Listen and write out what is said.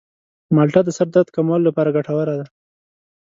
مالټه د سر درد کمولو لپاره ګټوره ده.